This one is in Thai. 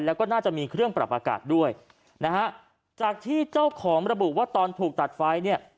แล้วก็น่าจะมีเครื่องปรับอากาศด้วยนะฮะจากที่เจ้าของระบุว่าตอนถูกตัดไฟเนี่ย